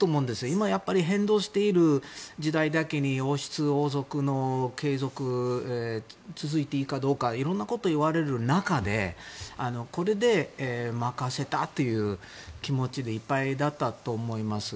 今、変動している時代だけに王室・王族が続いていくかどうかいろんなことを言われる中でこれで任せたっていう気持ちでいっぱいだったと思います。